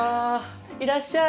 いらっしゃい。